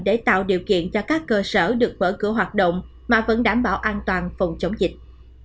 để tạo điều kiện cho các cơ sở được mở cửa hoạt động mà vẫn đảm bảo an toàn phòng chống dịch